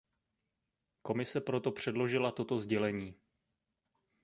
Komise proto předložila toto sdělení.